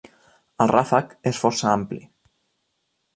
El ràfec és força ampli.